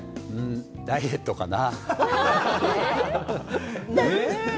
ダイエットかな。